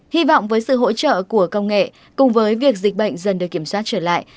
hy vọng với sự hỗ trợ của công nghệ cùng với việc dịch bệnh dần được kiểm soát trở lại